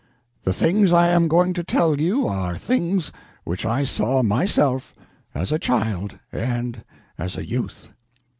The things I am going to tell you are things which I saw myself as a child and as a youth.